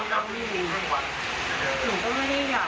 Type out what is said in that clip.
คือแล้วผู้ใจก็เหมือนเธอสติกไม่มีอย่างไร